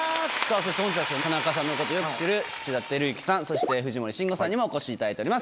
そして本日、田中さんのことをよく知る土田晃之さん、そして藤森慎吾さんにもお越しいただいています。